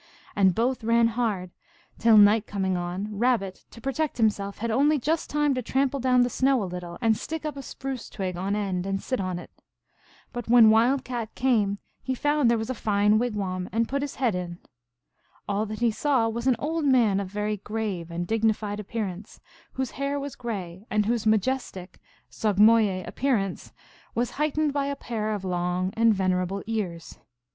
And both ran hard, till, night coming on, Rabbit, to protect himself, had only just time to trample down the snow a little, and stick up a spruce twig on end and sit on it. But when Wild Cat came up he found there a fine wigwam, and put his head in. All that he saw was an old man of very grave and dignified appearance, whose hair was gray, and whose majestic (sogmoye) appearance was heightened by a pair of long and venerable ears.